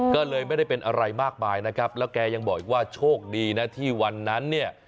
ก็เลยไม่ได้เป็นอะไรมากมายนะครับแล้วแกยังบอกอีกว่าโชคดีนะที่วันนั้นเนี่ย